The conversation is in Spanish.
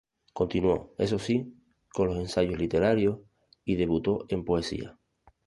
Continuó, eso sí, con los ensayos literarios y debutó en poesía.